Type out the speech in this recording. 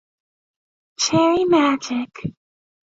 Cherry Magic!